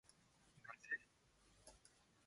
なんぜ？